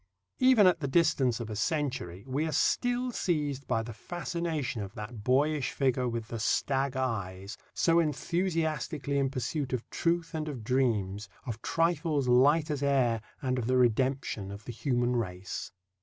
Even at the distance of a century, we are still seized by the fascination of that boyish figure with the "stag eyes," so enthusiastically in pursuit of truth and of dreams, of trifles light as air and of the redemption of the human race.